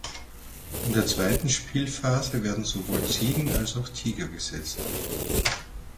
In der zweiten Spielphase werden sowohl Ziegen als auch Tiger gesetzt.